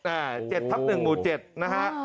๗ทับ๑หมู่๗นะฮะ